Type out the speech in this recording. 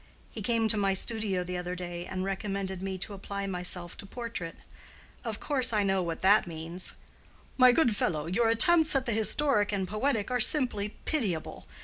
He came to my studio the other day and recommended me to apply myself to portrait. Of course I know what that means.—"My good fellow, your attempts at the historic and poetic are simply pitiable.